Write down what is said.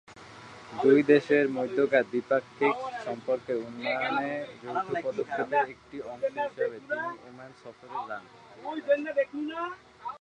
দুই দেশের মধ্যকার দ্বিপাক্ষিক সম্পর্কের উন্নয়নে যৌথ পদক্ষেপের একটি অংশ হিসেবে তিনি ওমান সফরে যান।